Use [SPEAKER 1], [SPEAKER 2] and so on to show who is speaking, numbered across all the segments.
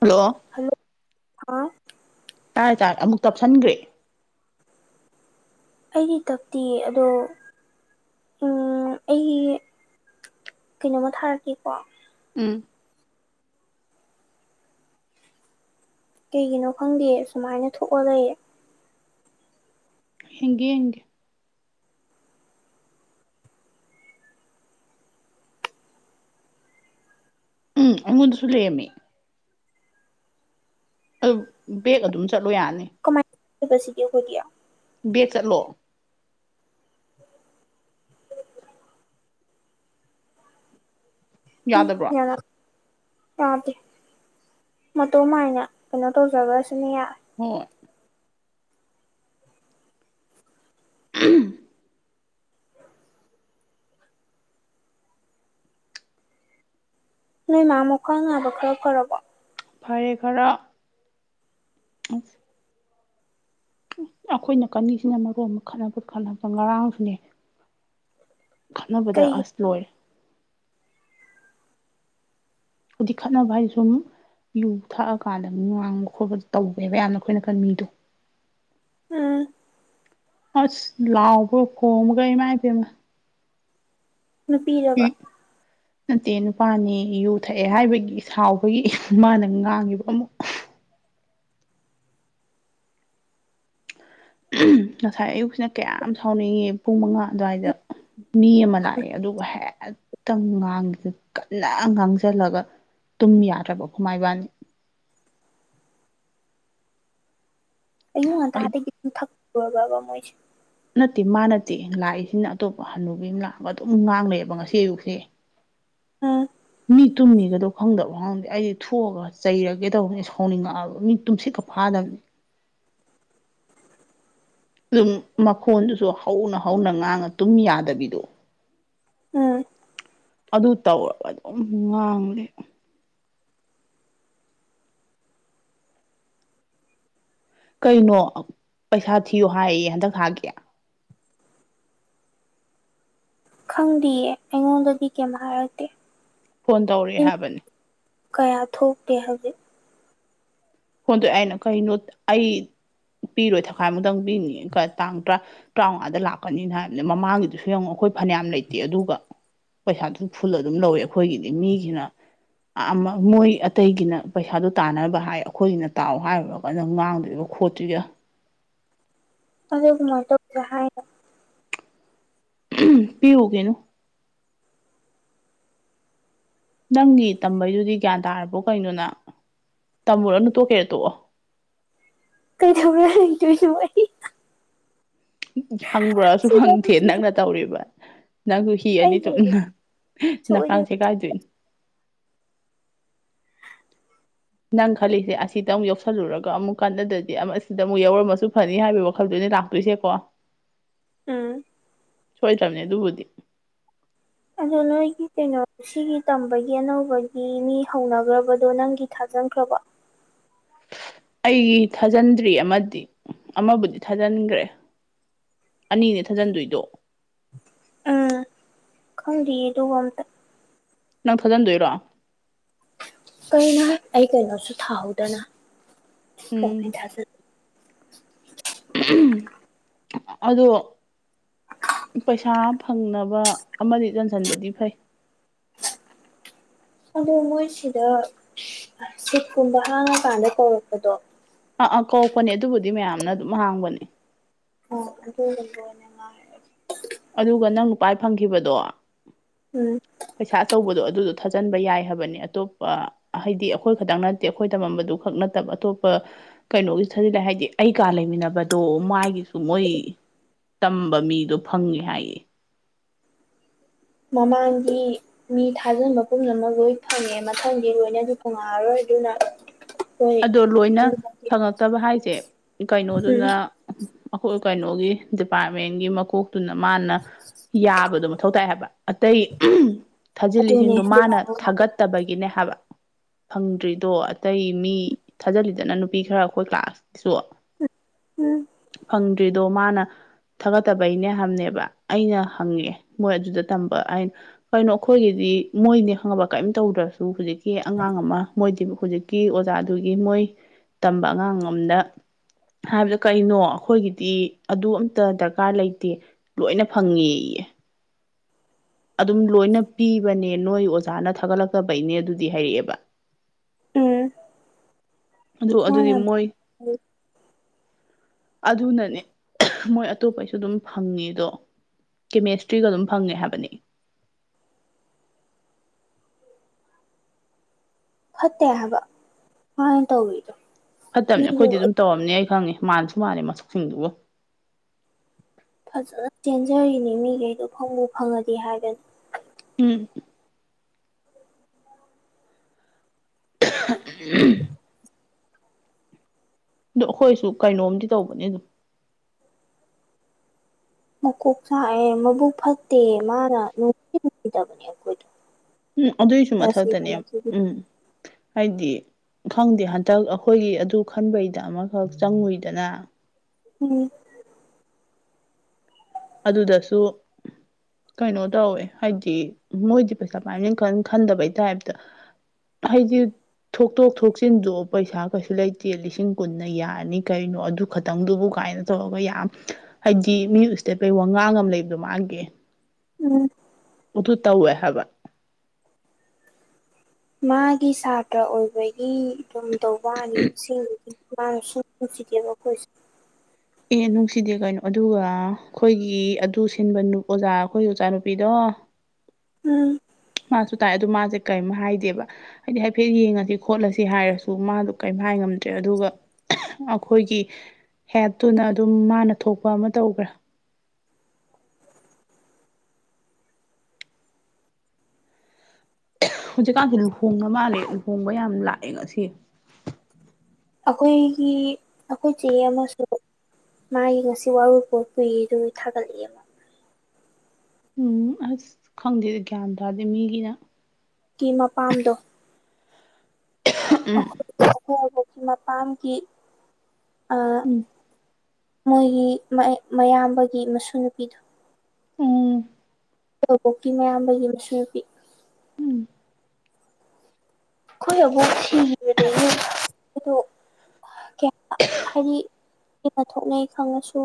[SPEAKER 1] Hello
[SPEAKER 2] hello ꯍꯥ
[SPEAKER 1] ꯇꯥꯔꯦ ꯇꯥꯔꯦ ꯑꯃꯨꯛ ꯇꯞꯁꯟꯒ꯭ꯔꯦ
[SPEAKER 2] ꯑꯩꯒꯤ ꯇꯞꯇꯤꯌꯦ ꯑꯗꯣ ꯎꯝ ꯑꯩꯒꯤ ꯀꯩꯅꯣꯝꯃ ꯊꯥꯔꯛꯀꯦꯀꯣ
[SPEAKER 1] ꯎꯝ
[SPEAKER 2] ꯀꯩꯒꯤꯅꯣ ꯈꯪꯗꯤꯌꯦ ꯁꯨꯃꯥꯏꯟꯅ ꯊꯣꯛꯑ ꯂꯩꯌꯦ
[SPEAKER 1] ꯍꯤꯡꯒꯦ ꯌꯦꯡꯒꯦ ꯎꯝ ꯑꯩꯉꯣꯟꯗꯁꯨ ꯂꯩꯔꯝꯃꯦ ꯑꯗꯨ ꯕꯦꯛ ꯑꯗꯨꯝ ꯆꯠꯂꯣ ꯌꯥꯅꯤ
[SPEAKER 2] ꯀꯦꯄꯥꯁꯤꯀꯤ ꯑꯈꯣꯏꯒꯤ
[SPEAKER 1] ꯕꯦꯛ ꯆꯠꯂꯣ
[SPEAKER 2] ꯍꯝ
[SPEAKER 1] ꯌꯥꯗꯕ꯭ꯔꯣ
[SPEAKER 2] ꯌꯥꯔꯛ ꯌꯥꯗꯦ ꯃꯇꯣꯝꯃꯏꯟꯅ ꯀꯩꯅꯣ ꯇꯧꯖꯒ꯭ꯔꯁꯅꯤ ꯌꯥ
[SPEAKER 1] ꯍꯣꯏ [unintelligible]
[SPEAKER 2] ꯅꯣꯏ ꯃꯥ ꯃꯈꯋꯥꯡ ꯅꯕ ꯈ꯭ꯔ ꯐꯔꯕꯣ
[SPEAKER 1] ꯐꯔꯦ ꯈꯔ ꯎꯝ ꯑꯩꯈꯣꯢꯅ ꯅꯀꯟꯁꯤꯅ ꯃꯔꯣꯜ ꯑꯃ ꯈꯠꯅꯕꯗ ꯈꯠꯅꯕꯗ ꯉꯔꯥꯡꯁꯨꯅꯦ ꯈꯠꯅꯕꯗ
[SPEAKER 2] ꯀꯩꯒꯤ
[SPEAKER 1] ꯑꯁ ꯂꯣꯢꯔꯦ ꯍꯧꯖꯤꯛ ꯈꯠꯅꯕ ꯍꯥꯏꯗꯤ ꯁꯨꯝ ꯌꯨ ꯊꯛꯑꯀꯥꯟꯗ ꯃꯤ ꯉꯥꯡꯕ ꯈꯣꯠꯄꯗꯣ ꯇꯧꯕꯋꯦꯕ ꯌꯥꯝꯅ ꯑꯩꯈꯣꯢ ꯅꯀꯟ ꯃꯤꯗꯣ
[SPEAKER 2] ꯎꯝ
[SPEAKER 1] ꯑꯁ ꯂꯥꯎꯕꯒ ꯈꯣꯡꯕꯒ ꯏꯃꯥꯢꯄꯦꯝꯃ
[SPEAKER 2] ꯅꯨꯄꯤꯔꯕ
[SPEAKER 1] [unintelligible] ꯅꯠꯇꯦ ꯅꯨꯄꯥꯅꯦ ꯌꯨ ꯊꯛꯑꯦ ꯍꯥꯢꯕꯒꯤ ꯁꯥꯎꯕꯒꯤ ꯃꯥꯅ ꯉꯥꯡꯉꯤꯕ ꯑꯃꯨꯛ ꯉꯁꯥꯢ ꯑꯌꯨꯛꯁꯤꯅ ꯀꯌꯥꯝ ꯁꯥꯎꯅꯤꯡꯉꯤ ꯄꯨꯡ ꯃꯉꯥ ꯑꯗꯨꯋꯥꯢꯗ ꯃꯤ ꯑꯃ ꯂꯥꯛꯑꯦ ꯑꯗꯨꯒ ꯍꯦꯛ ꯇ ꯉꯥꯡꯗ ꯀꯟꯅ ꯉꯥꯡꯖꯜꯂꯒ ꯇꯨꯝ ꯌꯥꯗ꯭ꯔꯕ ꯑꯩꯈꯣꯢꯃꯥ ꯏꯕꯥꯟꯅꯤ
[SPEAKER 2] ꯑꯌꯨꯛ
[SPEAKER 1] ꯑꯩ
[SPEAKER 2] ꯉꯟꯇꯥꯗꯒꯤ [unintelligible] ꯊꯛꯄ꯭ꯔꯕ ꯃꯣꯢꯁꯦ
[SPEAKER 1] ꯅꯠꯇꯦ ꯃꯥ ꯅꯠꯇꯦ ꯂꯥꯛꯏꯁꯤꯅ ꯑꯇꯣꯞꯄ ꯍꯟꯅꯨꯕꯤ ꯑꯃ ꯂꯥꯛꯑꯒ ꯑꯗꯨꯝ ꯉꯥꯡ ꯂꯩꯕ ꯉꯁꯤ ꯑꯌꯨꯛꯁꯦ
[SPEAKER 2] ꯎꯝ
[SPEAKER 1] ꯃꯤ ꯇꯨꯝꯃꯤꯒꯗꯣ ꯈꯪꯗꯕ꯭ꯔ ꯈꯪꯗꯦ ꯑꯩꯗꯤ ꯊꯣꯛꯑꯒ ꯆꯩꯔꯒꯦ ꯇꯧꯕꯅꯦ ꯁꯥꯎꯅꯤꯡꯉꯛꯑꯕ ꯃꯤ ꯇꯨꯝꯁꯤꯠꯀ ꯐꯥꯗꯕꯅꯦ ꯑꯗꯨꯝ ꯃꯈꯣꯟꯗꯨꯁꯨ ꯍꯧꯅ ꯍꯧꯅ ꯉꯥꯡꯉ ꯇꯨꯝ ꯌꯥꯗꯕꯤꯗꯣ
[SPEAKER 2] ꯎꯝ
[SPEAKER 1] ꯑꯗꯨ ꯇꯧꯔꯕ ꯑꯗꯨꯝ ꯉꯥꯡꯕꯅꯦ ꯀꯩꯅꯣ ꯄꯩꯁꯥ ꯊꯤꯌꯣ ꯍꯥꯢꯌꯦ ꯍꯟꯗꯛ ꯊꯥꯒꯤ
[SPEAKER 2] ꯈꯪꯗꯤꯌꯦ ꯑꯩꯉꯣꯟꯗꯗꯤ ꯀꯩꯝ ꯍꯥꯢꯔꯛꯇꯦ
[SPEAKER 1] ꯐꯣꯟ ꯇꯧꯔꯛꯑꯦ ꯍꯥꯢꯕꯅꯦ
[SPEAKER 2] ꯀꯌꯥ ꯊꯣꯛꯇꯦ ꯍꯧꯖꯤꯛ
[SPEAKER 1] ꯍꯣꯟꯗꯣꯛꯑꯦ ꯑꯩꯅ ꯀꯩꯅꯣ ꯑꯩ ꯄꯤꯔꯣꯢ ꯊꯥꯈꯥꯢꯃꯨꯛꯇꯪ ꯄꯤꯅꯤ ꯇꯥꯡ ꯇꯔꯥ ꯇꯔꯥꯃꯉꯥꯗ ꯂꯥꯛꯀꯅꯤꯅ ꯍꯥꯢꯕꯅꯦ ꯃꯃꯥꯡꯒꯤꯗꯨꯁꯨ ꯌꯦꯡꯉꯨ ꯑꯩꯈꯣꯢ ꯐꯅꯌꯥꯝ ꯂꯩꯇꯦ ꯑꯗꯨꯒ ꯄꯩꯁꯥꯇꯄ ꯐꯨꯜ ꯑꯗꯨꯝ ꯂꯧꯋꯦ ꯑꯩꯈꯣꯢꯒꯤꯗꯤ ꯃꯤꯒꯤꯅ ꯑ ꯃ ꯃꯣꯢ ꯑꯇꯩꯒꯤꯅ ꯄꯩꯁꯥꯗꯣ ꯇꯥꯟꯅꯕ ꯍꯥꯢ ꯑꯩꯈꯣꯢꯒꯤꯅ ꯇꯥꯎ ꯍꯥꯢꯔꯨꯔꯒꯅ ꯉꯥꯡꯗꯣꯢꯒ ꯈꯣꯠꯇꯣꯢꯒ
[SPEAKER 2] ꯑꯗꯣ ꯀꯃꯥꯢ ꯇꯧꯁꯦ ꯍꯥꯢꯅꯣ
[SPEAKER 1] [unintelligible] ꯄꯤꯔꯨꯒꯤꯅꯨ ꯅꯪꯒꯤ ꯇꯝꯕꯩꯗꯨꯗꯤ ꯒ꯭ꯌꯥꯟ ꯇꯥꯔꯕ꯭ꯔꯣ ꯀꯩꯅꯣ ꯅꯪ ꯇꯝꯃꯨꯔꯅꯣ ꯇꯣꯛꯀꯦꯒ ꯇꯣꯛꯑꯣ
[SPEAKER 2] ꯀꯩ ꯊꯕꯛꯅꯣ ꯍꯩꯗꯣꯢꯁꯤꯕꯣ ꯑꯩ
[SPEAKER 1] ꯍꯪꯕ꯭ꯔꯁꯨ
[SPEAKER 2] ꯁꯤꯗ
[SPEAKER 1] ꯍꯪꯗꯦ
[SPEAKER 2] ꯄꯨꯟꯁꯤꯁꯦ
[SPEAKER 1] ꯅꯪꯅ ꯇꯧꯔꯤꯕ ꯅꯪ ꯍꯤ
[SPEAKER 2] ꯑꯩ
[SPEAKER 1] ꯑꯅꯤ
[SPEAKER 2] ꯍꯌꯦꯡ
[SPEAKER 1] ꯇꯣꯡꯉꯤꯅ ꯅꯀ꯭ꯔꯥꯡ
[SPEAKER 2] ꯁꯣꯏꯗꯅ
[SPEAKER 1] ꯁꯦꯒꯥꯢꯗꯣꯢꯅꯦ ꯅꯪ ꯈꯜꯂꯤꯁꯦ ꯑꯁꯤꯗ ꯑꯃꯨꯛ ꯌꯧꯁꯤꯜꯂꯨꯔꯒ ꯑꯃꯨꯛ ꯀꯥꯟꯅꯗ꯭ꯔꯗꯤ ꯑꯁꯤꯗ ꯑꯃꯨꯛ ꯌꯧꯔꯝꯃꯁꯨ ꯐꯅꯤ ꯍꯥꯢꯕꯒꯤ ꯋꯥꯈꯜꯗꯨꯅꯤ ꯂꯥꯛ ꯇꯣꯢꯁꯦ ꯀꯣ
[SPEAKER 2] ꯎꯝ
[SPEAKER 1] ꯁꯣꯢꯗ꯭ꯔꯕꯅꯦ ꯑꯗꯨꯕꯨꯗꯤ
[SPEAKER 2] ꯑꯗꯣ ꯅꯣꯢꯒꯤ ꯀꯩꯅꯣ ꯁꯤꯒꯤ ꯇꯝꯕꯒꯤ ꯑꯅꯧꯕꯒꯤ ꯃꯤ ꯍꯧꯅꯒ꯭ꯔꯕꯗꯣ ꯅꯪꯒꯤ ꯊꯥꯖꯤꯟꯈ꯭ꯔꯕꯣ
[SPEAKER 1] ꯑꯩ ꯊꯥꯖꯤꯟꯗ꯭ꯔꯤ ꯑꯃꯗꯤ ꯑꯃꯕꯨꯗꯤ ꯊꯥꯖꯟꯈ꯭ꯔꯦ ꯑꯅꯤꯅꯦ ꯊꯥꯖꯟꯗꯣꯢꯗꯣ
[SPEAKER 2] ꯎꯝ ꯈꯪꯗꯤꯌꯦ ꯑꯗꯨꯒ ꯑꯃꯇ
[SPEAKER 1] ꯅꯪ ꯊꯥꯖꯟꯗꯣꯢꯔꯣ
[SPEAKER 2] ꯀꯩꯅꯣꯍꯦ ꯑꯩ ꯀꯩꯅꯣꯁꯨ ꯊꯥꯍꯧꯗꯅ
[SPEAKER 1] ꯎꯝ
[SPEAKER 2] ꯀꯃꯥꯢ ꯊꯖꯟꯗꯣꯢꯅꯣ
[SPEAKER 1] ꯑꯗꯣ ꯄꯩꯁꯥ ꯐꯪꯅꯕ ꯑꯃꯗꯤ ꯆꯟꯁꯟꯕꯗꯤ ꯐꯩ
[SPEAKER 2] ꯑꯗꯣ ꯃꯣꯏꯁꯤꯗ ꯁꯤꯠꯀꯨꯝꯕ ꯍꯥꯡꯉꯀꯥꯟꯗ ꯇꯧꯔꯛꯄꯗꯣ
[SPEAKER 1] ꯑꯥ ꯑꯥ ꯀꯧꯔꯛꯄꯅꯦ ꯑꯗꯨꯕꯨꯗꯤ ꯃꯌꯥꯝꯅ ꯑꯗꯨꯝ ꯍꯥꯡꯕꯅꯦ
[SPEAKER 2] ꯑꯣ ꯀꯣꯉ [inaudible]
[SPEAKER 1] ꯑꯗꯨꯒ ꯅꯪ ꯅꯨꯄꯥꯢ ꯐꯪꯈꯤꯕꯗꯣ
[SPEAKER 2] ꯎꯝ
[SPEAKER 1] ꯄꯩꯁꯥ ꯑꯆꯧꯕꯗꯣ ꯑꯗꯨꯗꯣ ꯊꯥꯖꯟꯕ ꯌꯥꯏ ꯍꯥꯏꯕꯅꯦ ꯑꯇꯣꯞꯄ ꯍꯥꯏꯗꯤ ꯑꯩꯈꯣꯏ ꯈꯛꯇꯪ ꯅꯠꯇꯦ ꯑꯩꯈꯣꯏ ꯇꯝꯃꯝꯕꯗꯨ ꯈꯛ ꯅꯠꯇꯕ ꯑꯇꯣꯞꯄ ꯀꯩꯅꯣꯒꯤ ꯊꯥꯖꯤꯟꯂꯦ ꯍꯥꯏꯗꯤ ꯑꯩ ꯀꯥ ꯂꯩꯃꯤꯟꯅꯕꯗꯣ ꯃꯥꯒꯤꯁꯨ ꯃꯣꯏ ꯇꯝꯕ ꯃꯤꯗꯣ ꯐꯪꯉꯤ ꯍꯥꯏꯌꯦ
[SPEAKER 2] ꯃꯃꯥꯡꯒꯤ ꯃꯤ ꯊꯥꯖꯤꯟꯕ ꯄꯨꯝꯅꯃꯛ ꯂꯣꯏ ꯐꯪꯉꯦ ꯃꯊꯪꯗꯤ ꯂꯣꯏꯅꯁꯨ ꯇꯣꯡꯉꯥꯑꯔꯣꯏ ꯑꯗꯨꯅ ꯍꯣꯏ
[SPEAKER 1] ꯑꯗꯣ ꯂꯣꯏꯅ
[SPEAKER 2] ꯎꯝ
[SPEAKER 1] ꯐꯪꯉꯛꯇꯕ ꯍꯥꯏꯁꯦ ꯀꯩꯅꯣꯗꯨꯅ ꯑꯩꯈꯣꯏ ꯀꯩꯅꯣꯒꯤ ꯗꯤꯄꯥꯔꯠꯃꯦꯟꯒꯤ ꯃꯀꯣꯛꯇꯨꯅ ꯃꯥꯅ ꯌꯥꯕꯗꯣ ꯃꯊꯧ ꯇꯥꯏ ꯍꯥꯏꯕ ꯑꯇꯩ
[SPEAKER 2] ꯑꯗꯨꯅꯦ
[SPEAKER 1] ꯊꯥꯖꯤꯜꯂꯤꯁꯤꯡꯗꯣ ꯃꯥꯅ ꯊꯥꯒꯠꯇꯕꯒꯤꯅꯦ ꯍꯥꯏꯕ ꯐꯪꯗ꯭ꯔꯤꯗꯣ ꯑꯇꯩ ꯃꯤ ꯊꯥꯖꯤꯜꯂꯤꯗꯅ ꯅꯨꯄꯤ ꯈꯔ ꯑꯩꯈꯣꯏ ꯀ꯭ꯂꯥꯁꯀꯤꯁꯨ
[SPEAKER 2] ꯎꯝ
[SPEAKER 1] ꯐꯪꯗ꯭ꯔꯤꯗꯣ ꯃꯥꯅ ꯊꯥꯒꯠꯇꯕꯩꯅꯦ ꯍꯕꯅꯦꯕ ꯑꯩꯅ ꯍꯪꯉꯦ ꯃꯣꯏ ꯑꯗꯨꯗ ꯇꯝꯕ ꯑꯩ ꯀꯩꯅꯣ ꯑꯩꯈꯣꯏꯒꯤꯗꯤ ꯃꯣꯏꯅꯤ ꯈꯪꯉꯕ ꯀꯌꯤꯝ ꯇꯧꯗ꯭ꯔꯁꯨ ꯍꯧꯖꯤꯛ ꯀꯤ ꯑꯉꯥꯡ ꯑꯃ ꯃꯣꯏꯗꯤ ꯍꯧꯖꯤꯛꯀꯤ ꯑꯣꯖꯥꯗꯨꯒꯤ ꯃꯣꯏ ꯇꯝꯕ ꯑꯉꯥꯡ ꯑꯝꯗ ꯍꯥꯏꯕꯗ ꯀꯩꯅꯣ ꯑꯩꯈꯣꯏꯒꯤꯗꯤ ꯑꯗꯨ ꯑꯝꯇ ꯗꯔꯀꯥꯔ ꯂꯩꯇꯦ ꯂꯣꯏꯅ ꯐꯪꯉꯦꯌꯦ ꯑꯗꯨꯝ ꯂꯣꯏꯅ ꯄꯤꯕꯅꯦ ꯅꯣꯏ ꯑꯣꯖꯥꯅ ꯊꯥꯒꯠꯂꯛꯇꯕꯩꯅꯦ ꯑꯗꯨꯗꯤ ꯍꯥꯏꯔꯛꯑꯦꯕ
[SPEAKER 2] ꯎꯝ
[SPEAKER 1] ꯑꯗꯨ
[SPEAKER 2] ꯃꯥ
[SPEAKER 1] ꯑꯗꯨꯗꯤ
[SPEAKER 2] ꯌꯥꯝ
[SPEAKER 1] ꯃꯣꯏ ꯑꯗꯨꯅꯅꯦ ꯃꯣꯏ ꯑꯇꯣꯞꯄꯩꯁꯨ ꯑꯗꯨꯝ ꯐꯪꯉꯤꯗꯣ ꯀꯦꯃꯦꯁꯇ꯭ꯔꯤꯒ ꯑꯗꯨꯝ ꯐꯪꯉꯦ ꯍꯥꯏꯕꯅꯤ
[SPEAKER 2] ꯐꯠꯇꯦ ꯍꯥꯏꯕ ꯃꯥꯅ ꯇꯧꯔꯤꯗꯣ
[SPEAKER 1] ꯐꯠꯇꯕꯅꯦ
[SPEAKER 2] ꯃꯤꯗꯨ
[SPEAKER 1] ꯑꯩꯈꯣꯏꯗꯤ ꯑꯗꯨꯝ ꯇꯧꯔꯝꯅꯤ ꯑꯩ ꯈꯪꯉꯦ ꯃꯥꯟꯖꯨ ꯃꯥꯜꯂꯦ ꯃꯁꯛꯁꯤꯡꯗꯨꯕꯨ
[SPEAKER 2] ꯐꯖꯅ ꯆꯦꯟꯖꯔꯤꯅꯤ ꯃꯤꯒꯩꯗꯣ ꯐꯪꯕꯨ ꯐꯪꯉꯗꯤ ꯍꯥꯏꯗꯅ
[SPEAKER 1] ꯎꯝ [unintelligible] ꯑꯗꯣ ꯑꯩꯈꯣꯏꯁꯨ ꯀꯩꯅꯣꯝꯗꯤ ꯇꯧꯕꯅꯦ ꯑꯗꯨꯝ
[SPEAKER 2] ꯃꯀꯣꯛ ꯆꯥꯛꯑꯦ ꯃꯕꯨꯛ ꯐꯠꯇꯦ ꯃꯥꯅ ꯅꯨꯡꯁꯨ ꯅꯨꯡꯗꯕꯅꯦ ꯑꯩꯈꯣꯏꯗꯣ
[SPEAKER 1] ꯎꯝ ꯑꯗꯨꯏꯁꯨ
[SPEAKER 2] ꯇꯁꯦꯡꯅ
[SPEAKER 1] ꯃꯊꯛꯇꯅꯦ
[SPEAKER 2] ꯃꯆꯨꯗꯤ
[SPEAKER 1] ꯎꯝ ꯍꯥꯏꯗꯤ ꯈꯪꯗꯦ ꯍꯟꯇꯛ ꯑꯩꯈꯣꯏꯒꯤ ꯑꯗꯨ ꯈꯟꯕꯩꯗ ꯑꯃꯈꯛ ꯆꯪꯉꯨꯏꯗꯅ
[SPEAKER 2] ꯎꯝ
[SPEAKER 1] ꯑꯗꯨꯗꯁꯨ ꯀꯩꯅꯣ ꯇꯧꯋꯦ ꯍꯥꯏꯗꯤ ꯃꯣꯏꯗꯤ ꯄꯩꯁꯥ ꯄꯥꯏꯝꯅꯤꯅ ꯀꯌꯤꯝ ꯈꯟꯗꯕꯩ ꯇꯥꯏꯞꯇ ꯍꯥꯏꯗꯤ ꯊꯣꯛꯇꯣꯛ ꯊꯣꯛꯆꯤꯟꯗꯣ ꯄꯩꯁꯥ ꯀꯩꯁꯨ ꯂꯩꯇꯦ ꯂꯤꯁꯤꯡ ꯀꯨꯟꯅ ꯌꯥꯔꯅꯤ ꯀꯩꯅꯣ ꯑꯗꯨ ꯈꯇꯪꯗꯨꯕꯨ ꯀꯥꯏꯅ ꯇꯧꯔꯒ ꯌꯥꯝ ꯍꯥꯏꯗꯤ ꯃꯤ ꯎꯁꯤꯠꯗꯕꯩ ꯋꯥ ꯉꯥꯡ ꯑꯃ ꯂꯩꯕꯗꯣ ꯃꯥꯒꯤ
[SPEAKER 2] ꯎꯝ
[SPEAKER 1] ꯑꯗꯨ ꯇꯧꯋꯦ ꯍꯥꯏꯕ
[SPEAKER 2] ꯃꯥꯒꯤ ꯁꯥꯇ꯭ꯔꯥ ꯑꯣꯏꯕꯒꯤ ꯗꯨꯝ ꯊꯧꯕꯥ ꯋꯥꯅꯤ ꯑꯁꯤꯡꯕꯗꯤ ꯃꯥꯅꯁꯨ ꯅꯨꯡꯁꯤꯗꯜꯦꯕ ꯑꯈꫭꯏꯁꯨ
[SPEAKER 1] ꯑꯦ ꯅꯨꯡꯁꯤꯗꯦ ꯀꯩꯅꯣ ꯑꯗꯨꯒ ꯑꯩꯈꯣꯏꯒꯤ ꯑꯗꯨ ꯁꯤꯟꯕ ꯑꯣꯖꯥ ꯑꯩꯈꯣꯏꯒꯤ ꯑꯣꯖꯥ ꯅꯨꯄꯤꯗꯣ
[SPEAKER 2] ꯎꯝ
[SPEAKER 1] ꯃꯥꯁꯨ ꯇꯥꯏꯛꯑ‌ꯦ ꯑꯗꯨ ꯃꯥꯁꯦ ꯀꯔꯤꯝ ꯍꯥꯏꯗꯦꯕ ꯍꯥꯏꯗꯤ ꯍꯥꯏꯐꯦꯠ ꯌꯦꯡꯉꯁꯤ ꯈꯣꯠꯂꯁꯤ ꯍꯥꯏꯔꯁꯨ ꯃꯥꯗꯨ ꯀꯔꯤꯝ ꯍꯥꯏ ꯉꯝꯗ꯭ꯔꯦ ꯑꯗꯨꯒ ꯑꯩꯈꯣꯏꯒꯤ ꯍꯦꯠꯇꯨꯅ ꯑꯗꯨꯝ ꯃꯥꯅ ꯊꯣꯛꯄ ꯑꯃꯥ ꯇꯧꯈ꯭ꯔꯦ ꯍꯧꯖꯤꯛꯀꯥꯟꯁꯦ ꯂꯨꯍꯣꯡꯅꯥ ꯃꯥꯜꯂꯦ ꯂꯨꯍꯣꯡꯕ ꯌꯥꯝ ꯂꯥꯛꯑꯦ ꯉꯁꯤ
[SPEAKER 2] ꯑꯩꯈꯣꯏꯒꯤ ꯑꯩꯈꯣꯏ ꯆ‌ꯦ ꯑꯃꯥꯁꯨ ꯃꯥꯒꯤ ꯉꯁꯤ ꯋꯥꯔꫭꯏ ꯄꯣꯠ ꯄꯨꯏ ꯑꯗꯨꯒꯤ ꯊꯥꯒꯠꯂꯛꯑꯦꯕ
[SPEAKER 1] ꯎꯝ ꯑꯁ ꯈꯪꯗꯦ ꯒ꯭ꯌꯥꯟ ꯇꯥꯗ‌ꯦ ꯃꯤꯒꯤꯅ
[SPEAKER 2] ꯀꯤ ꯃꯄꯥꯝꯗꯣ ꯑꯈꫭꯏ ꯑꯩꯈꯣꯏ ꯕꫭꯛꯀꯤ ꯃꯄꯥꯝꯒꯤ ꯑꯥ
[SPEAKER 1] ꯎꯝ
[SPEAKER 2] ꯃꯣꯏꯒꯤ ꯃꯌꯥꯝꯕꯒꯤ ꯃꯁꯨ ꯅꯨꯄꯤꯗꯣ
[SPEAKER 1] ꯎꯝ
[SPEAKER 2] ꯑꯈꫭꯏ ꯕꫭꯛꯀꯤ ꯃꯌꯥꯝꯕꯒꯤ ꯃꯁꯨꯅꯨꯄꯤ
[SPEAKER 1] ꯎꯝ
[SPEAKER 2] ꯑꯩꯈꯣꯏ ꯑꯕꫭꯛ ꯁꯤꯈꫪꯕꯗꯒꯤ [unintelligible] ꯑꯗꯨ ꯍꯥꯏꯗꯤ ꯍꯦꯟꯅ ꯊꯣꯛꯅꯩ ꯈꯪꯉꯁꯨ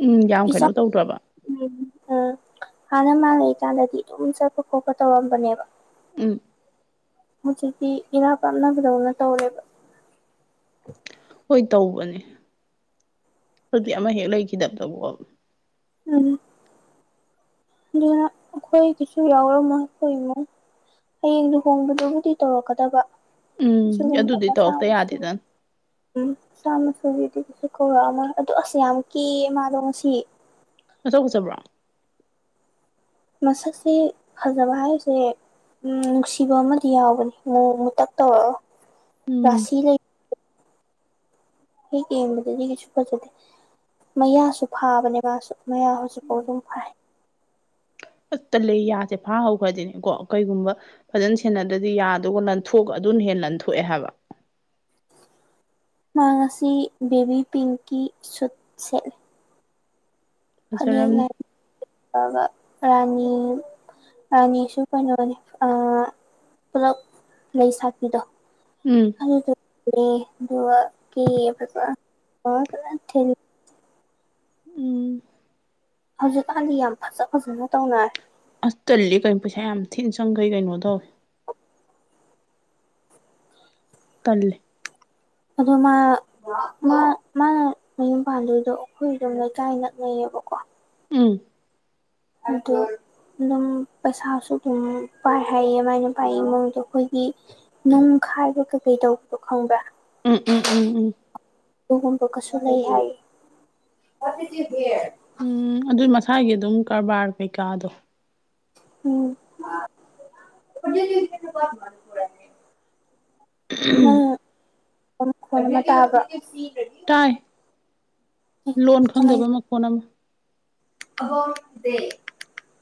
[SPEAKER 1] ꯎꯝ ꯌꯥꯝ
[SPEAKER 2] ꯏꯆꯥꯎ
[SPEAKER 1] ꯀꯩꯅꯣ ꯇꯧꯗ꯭ꯔꯕ
[SPEAKER 2] ꯎꯝ ꯑꯥ ꯍꯥꯟꯅ ꯃꯥ ꯂꯩꯀꯥꯟꯗꯗꯤ ꯑꯗꯨꯝ ꯆꯠꯄꯥ ꯈꯣꯠꯄꯥ ꯇꯧꯔꯝꯕꯅꯦꯕ
[SPEAKER 1] ꯎꯝ
[SPEAKER 2] ꯍꯧꯖꯤꯛꯇꯤ ꯏꯔꯥꯞ ꯂꯥꯞꯅꯕꯗꯧꯅꯥ ꯇꯧꯔꯦꯕ
[SPEAKER 1] ꯍꯣꯏ ꯇꯧꯕꯅꯦ ꯑꯗꯨꯗꯤ ꯑꯃꯥ ꯍꯦꯛ ꯂꯩꯈꯤꯗꯕꯗꯕꯀꯣ
[SPEAKER 2] ꯎꯝ [unintelligible] ꯑꯗꯨꯅꯥ ꯑꯩꯈꯣꯏꯁꯨ ꯌꯥꯎꯔꯝꯃꫭꯏ ꯑꯈꫭꯏ ꯏꯃꯥꯏ ꯍꯌꯦꯡ ꯂꯨꯍꯣꯡꯕꯗꯕꯨꯗꯤ ꯇꯧꯔꯛꯀꯗꯕ
[SPEAKER 1] ꯎꯝ
[SPEAKER 2] ꯁꯤꯒꯨꯝꯕ
[SPEAKER 1] ꯑꯗꯨꯗꯤ
[SPEAKER 2] ꯃꯆꯥ
[SPEAKER 1] ꯇꯧꯔꯛꯇ
[SPEAKER 2] ꯃꯁꯨ
[SPEAKER 1] ꯌꯥꯗꯦꯗꯅ
[SPEAKER 2] ꯎꯝ ꯃꯆꯥ ꯃꯥꯒꯤꯁꯨꯒꯤꯗꯤ ꯀꯩꯁꯨ ꯀꯧꯔꯛꯑꯝꯃꯣꯏ ꯑꯗꯨ ꯑꯁ ꯌꯥꯝ ꯀꯦ ꯃꯥꯗꯣ ꯉꯁꯤ
[SPEAKER 1] ꯃꯥꯁꯛ ꯐꯖꯕ꯭ꯔꯣ
[SPEAKER 2] ꯃꯁꯛꯁꯤ ꯐꯖꯕꯥ ꯍꯥꯏꯁꯦ ꯎꯝ ꯅꯨꯡꯁꯤꯕ ꯑꯃꯥꯗꯤ ꯌꯥꯎꯕꯅꯤ ꯉꯧ ꯃꯨꯇꯛ ꯇꯧꯔꯒ
[SPEAKER 1] ꯎꯝ
[SPEAKER 2] ꯔꯥꯁꯤ ꯂꯩ ꯍꯦꯛ ꯌꯦꯡꯕꯗꯗꯤ ꯀꯩꯁꯨ ꯐꯖꯗꯦ ꯃꯌꯥꯁꯨ ꯐꯥꯕꯅꯦ ꯃꯥꯁꯨ ꯃꯌꯥ ꯍꯧꯖꯤꯛꯐꯥꯎ ꯑꯗꯨꯝ ꯐꯥꯏ
[SPEAKER 1] ꯑꯁꯇꯜꯂ‌ꯦ ꯌꯥꯁꯦ ꯐꯥꯍꯧꯈ꯭ꯔꯗꯤꯅꯦ ꯀꯣ ꯀꯩꯒꯨꯝꯕ ꯐꯖꯅꯥ ꯁꯦꯟꯅꯗ꯭ꯔꯗꯤ ꯌꯥꯗꯨꯒ ꯂꯟꯊꯣꯛꯑꯒ ꯑꯗꯨꯅ ꯍꯦꯟꯅꯥ ꯂꯟꯊꯣꯛꯑꯦ ꯍꯥꯏꯕ
[SPEAKER 2] ꯃꯥ ꯉꯁꯤ ꯕꯦꯕꯤ ꯄꯤꯡꯀꯤ ꯁꯨꯠ ꯁꯦꯠꯂꯦ ꯐꯅꯦꯛꯅ
[SPEAKER 1] ꯐꯖꯔꯝꯅꯤ
[SPEAKER 2] [unintelligible] ꯂꯥꯏꯕ ꯔꯥꯅꯤ ꯑꯅꯤꯁꯨ ꯀꯩꯅꯣꯅꯦ ꯑꯏ ꯄꯨꯂꯞ ꯂꯩ ꯁꯥꯠꯄꯤꯗꯣ
[SPEAKER 1] ꯎꯝ
[SPEAKER 2] ꯑꯗꯨꯒ ꯀ‌ꯦꯌ‌ꯦ ꯐꯖꯅꯥ [unintelligible]
[SPEAKER 1] ꯎꯝ
[SPEAKER 2] ꯍꯧꯖꯤꯛꯀꯥꯟꯗꯤ ꯌꯥꯝ ꯐꯖꯥ ꯐꯖꯥꯅ ꯇꯧꯅꯔꯦ
[SPEAKER 1] ꯑꯁ ꯇꯜꯂꯤ ꯀꯩꯅꯣ ꯄꯩꯁꯥ ꯌꯥꯝ ꯊꯤꯅ ꯆꯪꯈꯩ ꯀꯩꯅꯣ ꯇꯧꯋꯦ ꯇꯜꯂ‌ꯦ
[SPEAKER 2] ꯑꯗꯨ ꯃꯥ ꯃꯥ ꯃꯥꯅ ꯃꯌꯨꯝ ꯄꯥꯟꯗꯣꯏꯗꯣ ꯑꯩꯈꯣꯏ ꯑꯗꯨꯝ ꯂꯩꯀꯥꯏ ꯅꯛꯅꯩꯌꯦꯕꯀꯣ
[SPEAKER 1] ꯎꯝ
[SPEAKER 2] ꯑꯗꫭ ꯑꯗꯨꯝ ꯄꯩꯁꯥꯁꯨ ꯑꯗꯨꯝ ꯄꯥꯏ ꯍꯥꯏꯌꯦ ꯃꯥꯏ ꯅꯨꯄꯥꯏ ꯏꯃꯨꯡꯗꯣ ꯑꯩꯈꯣꯏꯒꯤ ꯅꯨꯡꯈꯥꯏꯕ ꯀꯩꯀꯩ ꯇꯧꯕꯗꯣ ꯈꯪꯕ꯭ꯔꯥ꯫
[SPEAKER 1] ꯎꯝ ꯎꯝ ꯎꯝ ꯎꯝ
[SPEAKER 2] ꯑꯗꯨꯒꯣꯝꯕ ꯀꯁꯨ ꯂꯩ ꯍꯥꯏ
[SPEAKER 1] ꯎꯝ ꯑꯗꯨꯏ ꯃꯁꯥꯒꯤ ꯑꯗꯨꯝ ꯀꯔꯕꯥꯔ ꯀꯩꯀꯥꯗꯣ꯫
[SPEAKER 2] ꯎꯝ [unintelligible] ꯅꯪꯅ [unintelligible] ꯇꯥꯕ꯭ꯔꯣ
[SPEAKER 1] ꯇꯥꯏ ꯂꯣꯟ ꯈꯪꯗꯕ ꯃꯈꯣꯟ ꯑꯃ
[SPEAKER 2] ꯑꯣ ꯗꯦ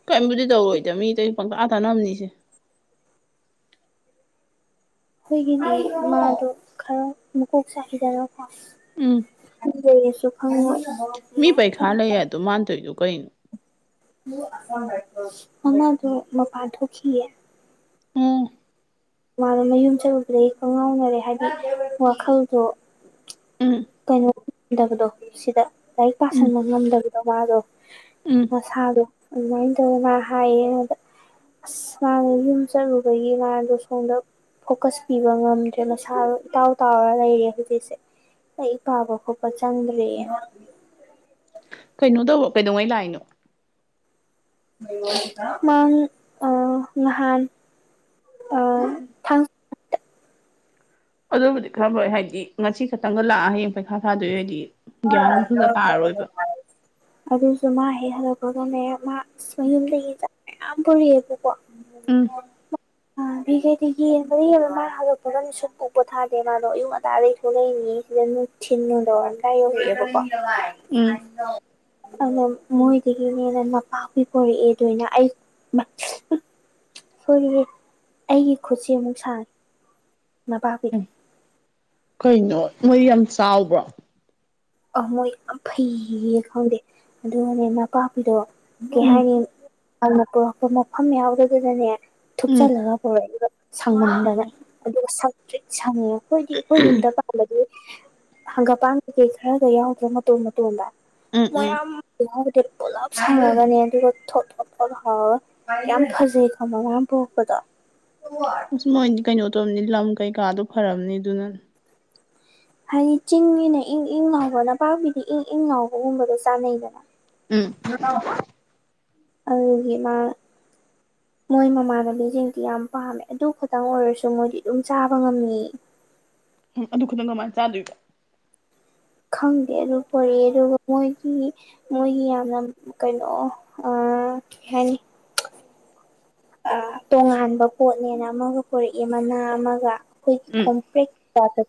[SPEAKER 1] ꯀꯩꯝꯕꯨꯗꯤ ꯇꯧꯔꯣꯏꯗꯦ ꯃꯤ ꯑꯇꯩ ꯄꯪꯇꯥ ꯊꯅꯕꯅꯤꯁꯦ꯫
[SPEAKER 2] ꯑꯩꯈꯣꯏꯒꯤꯗꯤ ꯏꯃꯥꯗꯨ ꯈꯔ ꯃꯨꯀꯣꯛ ꯆꯥꯛꯏꯗꯅꯀꯣ꯫
[SPEAKER 1] ꯎꯝ
[SPEAKER 2] ꯪꯈꯪꯗꯦ ꯑꯩꯁꯨ ꯈꯪꯉꯣꯏ꯫
[SPEAKER 1] ꯃꯤ ꯄꯩ ꯈꯥ ꯂꯩ ꯑꯗꯣ ꯃꯥꯅꯇꯧꯔꯤꯗꯣ ꯀꯩꯅꯣ
[SPEAKER 2] ꯑꯃꯥꯗꯣ ꯃꯄꯥꯟ ꯊꯣꯛꯈꯤꯌꯦ꯫
[SPEAKER 1] ꯎꯝ꯫
[SPEAKER 2] ꯃꯥꯔꯣ ꯃꯌꯨꯝ ꯆꯠꯂꯨꯕꯗꯒꯤ ꯈꯪ ꯉꯥꯎꯅꯔꯦ ꯍꯥꯏꯕꯗꯤ ꯋꯥꯈꯜꯗꯣ꯫
[SPEAKER 1] ꯎꯝ
[SPEAKER 2] ꯀꯩꯅꯣ ꯈꯪꯗꯕꯗꯣ ꯁꯤꯗ ꯂꯥꯏꯔꯤꯛ
[SPEAKER 1] ꯎꯝ
[SPEAKER 2] ꯄꯥꯥꯁꯟꯕ ꯉꯝꯗꯕꯤꯗꯣ ꯋꯥꯗꯣ
[SPEAKER 1] ꯎꯝ
[SPEAKER 2] ꯃꯁꯥꯗꯣ꯫ ꯑꯗꯨꯃꯥꯏꯅ ꯇꯧꯋꯦ ꯃꯥ ꯍꯥꯏꯌꯦ ꯑꯗ ꯑꯁ ꯃꯥꯅ ꯌꯨꯝ ꯆꯠꯂꯨꯕꯒꯤ ꯃꯥꯗꯣ꯫ ꯈꯣꯡꯗ ꯐꯣꯀꯁ ꯄꯤꯕ ꯉꯝꯗ꯭ꯔꯦ ꯃꯁꯥ ꯏꯇꯥꯎ ꯇꯥꯎꯔ ꯂꯩꯔꯦ ꯍꯧꯖꯤꯛꯁꯦ꯫ ꯂꯥꯏꯔꯤꯛꯄꯥꯕ ꯈꯣꯠꯄ ꯆꯪꯗ꯭ꯔꯦꯌꯦ꯫
[SPEAKER 1] ꯀꯩꯅꯣ ꯇꯧꯕ ꯀꯩꯗꯧꯉꯩ ꯂꯥꯛꯏꯅꯣ꯫
[SPEAKER 2] ꯃꯥꯡ ꯑ ꯉꯍꯥꯟ ꯑ ꯊꯥꯡ
[SPEAKER 1] ꯑꯗꯨꯕꯨꯗꯤ ꯈꯔ ꯐꯩ ꯍꯥꯏꯗꯤ ꯉꯁꯤ ꯈꯛꯇꯪꯒ ꯂꯥꯛꯑ ꯍꯌꯦꯡ ꯄꯩꯈꯥ ꯊꯥꯗꯣꯏ ꯑꯣꯏꯗꯤ꯫ ꯒ꯭ꯌꯥꯟꯁꯨꯡꯇ ꯇꯥꯔꯔꯣꯏꯕ꯫
[SPEAKER 2] ꯑꯗꯨꯁꯨ ꯃꯥ ꯍꯦꯛ ꯍꯜꯂꯛꯄꯒꯅꯦ ꯃꯥ ꯃꯌꯨꯝꯗꯒꯤ ꯆꯥꯛ ꯃꯌꯥꯝ ꯄꯨꯔꯛꯑꯦꯕꯀꯣ꯫
[SPEAKER 1] ꯎꯝ
[SPEAKER 2] ꯀꯔꯤꯅꯣ [unintelligible] ꯑꯈꯩ ꯌꯦ ꯃꯔꯤ ꯃꯥ ꯍꯜꯂꯛꯄꯅ ꯃꯤꯁꯨꯝ ꯎꯕ ꯊꯥꯗꯦ ꯃꯥꯗꯣ ꯑꯌꯨ ꯑꯗꯥꯗꯩꯁꯨ ꯂꯩꯔꯤꯉ ꯁꯤꯗ ꯊꯤꯟꯅ [unintelligible] ꯀꯥꯏ ꯌꯧꯔꯛꯑꯦꯕꯀꯣ꯫
[SPEAKER 1] ꯎꯝ
[SPEAKER 2] ꯑꯗ ꯃꯣꯏꯗꯒꯤꯅꯦꯅ ꯃꯄꯥꯛꯕꯨ ꯄꯔꯛꯑꯦ ꯑꯗꯣꯏꯅ ꯑꯩ ꯍꯣꯏ ꯑꯩꯒꯤ ꯈꯨꯠꯁꯦ ꯑꯃꯨꯛ ꯁꯥꯡꯑꯦ ꯅꯄꯥꯄꯤꯗꯣ꯫
[SPEAKER 1] ꯀꯩꯅꯣ ꯃꯣꯏ ꯌꯥꯝ ꯆꯥꯎꯕ꯭ꯔꯣ꯫
[SPEAKER 2] ꯑ ꯃꯣꯏ ꯌꯥꯝ ꯐꯩ ꯈꯪꯗꯦ ꯑꯗꯨꯒꯅꯦ ꯅꯄꯥꯛꯄꯤꯗꯣ ꯀꯩ
[SPEAKER 1] ꯎꯝ
[SPEAKER 2] ꯍꯥꯏꯅꯤ ꯑꯗꯨꯅ ꯄꯨꯔꯛꯄ ꯃꯐꯝ ꯌꯥꯎꯗꯗꯨꯅꯅꯦ
[SPEAKER 1] ꯎꯝ
[SPEAKER 2] ꯊꯨꯞꯆꯜꯂꯒ ꯄꯨꯔꯛꯏꯕ꯫ ꯁꯪꯃꯟꯗꯅ ꯑꯗꯨꯒ ꯁꯪꯇꯔꯤꯛ ꯁꯪꯑꯦ ꯑꯩꯈꯣꯏꯗꯤ ꯑꯩꯈꯣꯏ ꯌꯨꯝꯗ [unintelligible] ꯍꯪꯒꯄꯥꯟ ꯀꯩꯀꯩ ꯈꯔꯒ ꯌꯥꯎꯗ꯭ꯔꯦ ꯃꯇꯣꯝ ꯃꯇꯣꯝꯗ
[SPEAKER 1] ꯎꯝ ꯎꯝ
[SPEAKER 2] ꯃꯌꯥꯝ [unintelligible] ꯄꯨꯂꯞ ꯁꯔꯛꯑꯒꯅꯤ ꯑꯗꯨꯒ ꯊꯣꯠ ꯊꯣꯠꯀ ꯂꯧꯔꯒ ꯌꯥꯝ ꯐꯖꯩ ꯈꯪꯃꯣ [unintelligible] ꯄꯔꯛꯄꯗꯣ
[SPEAKER 1] ꯑꯁ ꯃꯣꯏꯗꯤ ꯀꯩꯅꯣ ꯇꯧꯔꯅꯤ ꯂꯝ ꯀꯩꯀꯥꯗꯣ ꯐꯔꯝꯅꯤ ꯑꯗꯨꯅꯅꯤ꯫
[SPEAKER 2] ꯍꯥꯏꯗꯤ ꯆꯤꯡꯅꯤꯅ ꯏꯪ ꯏꯪ ꯂꯥꯎꯕ ꯅꯄꯥꯛꯄꯤꯗ ꯏꯪ ꯏꯪ ꯂꯥꯎꯕꯒꯨꯝꯕꯗ ꯆꯥꯟꯅꯩꯗꯅ꯫
[SPEAKER 1] ꯎꯝ꯫
[SPEAKER 2] [unintelligible] ꯑꯩꯒꯤ ꯃꯥ ꯃꯣꯏ ꯃꯃꯥꯟꯅꯕꯤꯁꯤꯡꯗꯤ ꯌꯥꯝ ꯄꯥꯝꯃꯦ ꯑꯗꯨ ꯈꯇꯪ ꯑꯣꯏꯔꯁꯨ ꯃꯣꯏꯗꯤ ꯑꯗꯨꯝ ꯆꯥꯕ ꯉꯝꯃꯤ꯫
[SPEAKER 1] ꯎꯝ ꯑꯗꯨ ꯈꯛꯇꯪ ꯀꯃꯥꯏꯅ ꯆꯥꯗꯣꯏꯕ꯫
[SPEAKER 2] ꯈꯪꯗꯦ ꯑꯗꯨ ꯄꯨꯔꯛꯑꯦ ꯑꯗꯨꯒ ꯃꯣꯏꯒꯤ ꯃꯣꯏꯒꯤ ꯌꯥꯝꯅ ꯀꯩꯅꯣ ꯑ ꯍꯦꯟ ꯑ ꯇꯣꯉꯥꯟꯕ ꯄꯣꯠꯅꯦꯅ ꯑꯃꯒ ꯄꯨꯔꯛꯏ ꯃꯅꯥ ꯑꯃꯒ
[SPEAKER 1] ꯎꯝ
[SPEAKER 2] ꯑꯩ [unintelligible]